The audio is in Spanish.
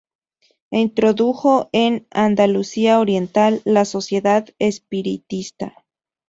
E introdujo en Andalucía Oriental la Sociedad Espiritista.